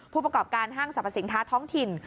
ผู้ประกอบการห้างสรรพสินค้าท้องถิ่น